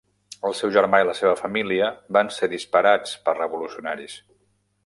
El seu germà i la seva família van ser disparats per revolucionaris.